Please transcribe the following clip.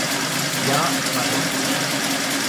Ja, mache ich.